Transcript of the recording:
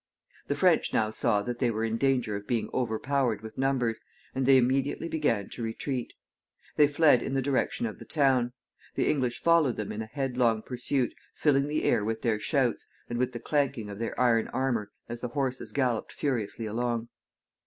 The French now saw that they were in danger of being overpowered with numbers, and they immediately began to retreat. They fled in the direction of the town. The English followed them in a headlong pursuit, filling the air with their shouts, and with the clanking of their iron armor as the horses galloped furiously along.